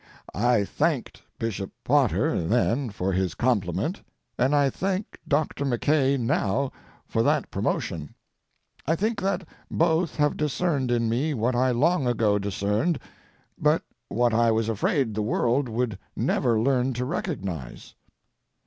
I thanked Bishop Potter then for his compliment, and I thank Doctor Mackay now for that promotion. I think that both have discerned in me what I long ago discerned, but what I was afraid the world would never learn to recognize.